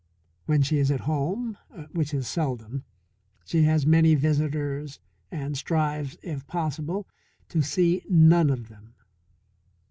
When she is at home which is seldom she has many visitors and strives, if possible, to see none of them.